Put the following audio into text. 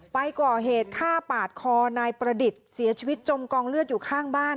ไปก่อเหตุฆ่าปาดคอนายประดิษฐ์เสียชีวิตจมกองเลือดอยู่ข้างบ้าน